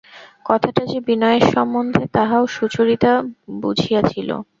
কথাটা যে বিনয়ের সম্বন্ধে তাহাও সুচরিতা বঝিয়াছিল।